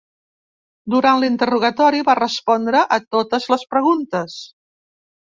Durant l’interrogatori, va respondre a totes les preguntes.